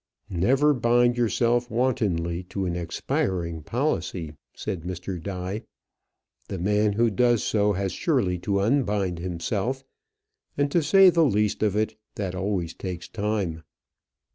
"Never bind yourself wantonly to an expiring policy," said Mr. Die. "The man who does so has surely to unbind himself; and, to say the least of it, that always takes time."